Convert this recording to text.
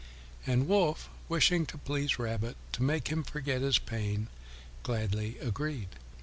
And Wolf, wishing to please Rabbit to make him forget his pain, gladly agreed.